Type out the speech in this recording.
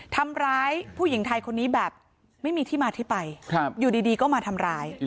ทำร้ายผู้หญิงไทยคนนี้แบบไม่มีที่มาที่ไปอยู่ดีก็มาทำร้าย